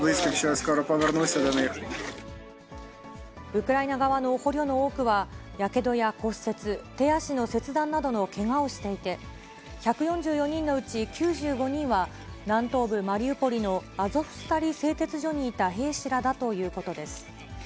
ウクライナ側の捕虜の多くは、やけどや骨折、手足の切断などのけがをしていて、１４４人のうち、９５人は南東部マリウポリのアゾフスタリ製鉄所にいた兵士らだということです。